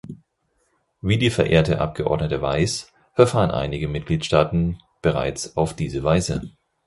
Wie die verehrte Abgeordnete weiß, verfahren einige Mitgliedstaaten bereits auf diese Weise.